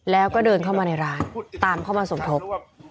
แล้วก็เดินเข้ามาในร้านตามเข้ามาสมทบ